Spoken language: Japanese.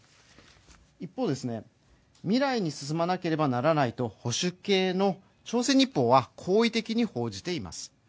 一方で、未来に進まなければならないと保守系の「朝鮮日報」は好意的に報じています。